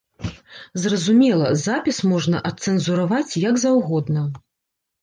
Зразумела, запіс можна адцэнзураваць як заўгодна.